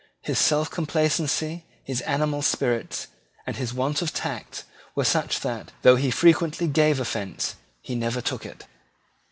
His selfcomplacency, his animal spirits, and his want of tact, were such that, though he frequently gave offence, he never took it.